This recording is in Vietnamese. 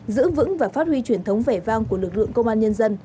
giữ vững và phát huy truyền thống vẻ vang của lực lượng công an nhân dân